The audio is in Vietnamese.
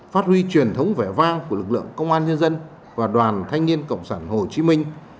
phát huy truyền thống vẻ vang của lực lượng công an nhân dân và đoàn thanh niên cộng sản hồ chí minh